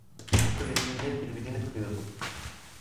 Bu kız için millet birbirini kırıyordu.